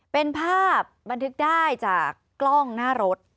เป็นภาพบันทึกได้จากกล้องหน้ารถ